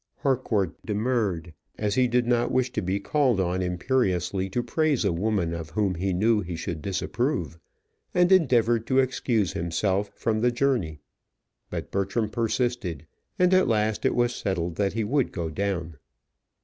Harcourt demurred, as he did not wish to be called on imperiously to praise a woman of whom he knew he should disapprove, and endeavoured to excuse himself from the journey. But Bertram persisted, and at last it was settled that he would go down.